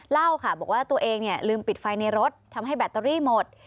เล่าค่ะบอกว่าตัวเองลืมปิดไฟในรถทำให้แบตเตอรี่หมด